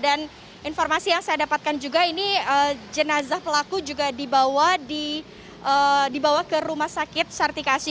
dan informasi yang saya dapatkan juga ini jenazah pelaku juga dibawa ke rumah sakit sartikasi